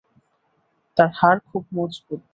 তার হাড় খুব মজবুত।